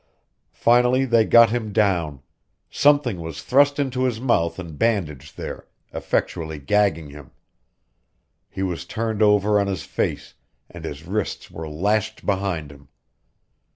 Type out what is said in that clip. Finally they got him down. Something was thrust into his mouth and bandaged there, effectually gagging him. He was turned over on his face, and his wrists were lashed behind him.